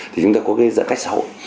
thì chúng ta có cái giãn cách xã hội